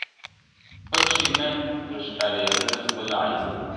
پکښي نه ورښکارېدله خپل عیبونه -